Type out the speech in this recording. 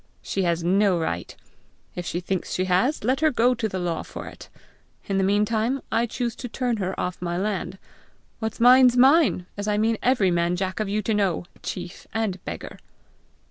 "She has no right. If she thinks she has, let her go to the law for it. In the meantime I choose to turn her off my land. What's mine's mine, as I mean every man jack of you to know chief and beggar!"